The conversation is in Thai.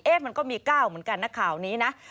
มันก็มี๙เหมือนกันนะข่าวนี้นะ